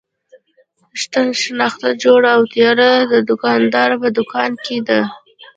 شنخته جوړه او تیاره د دوکاندار په دوکان کې ده.